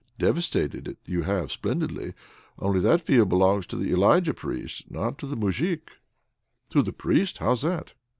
Devastated it you have splendidly, only that field belongs to the Elijah Priest, not to the Moujik." "To the Priest! How's that?"